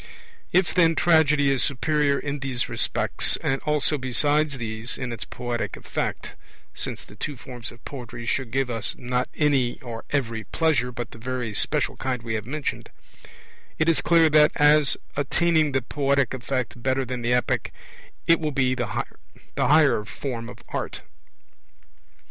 If, then, Tragedy is superior in these respects, and also besides these, in its poetic effect (since the two forms of poetry should give us, not any or every pleasure, but the very special kind we have mentioned), it is clear that, as attaining the poetic effect better than the Epic, it will be the higher form of art.